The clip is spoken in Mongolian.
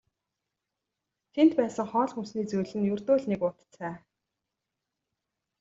Тэнд байсан хоол хүнсний зүйл нь ердөө л нэг уут цай.